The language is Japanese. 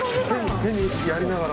手にやりながら。